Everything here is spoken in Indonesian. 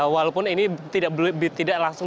walaupun ini tidak langsung